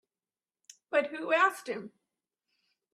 But who asked him?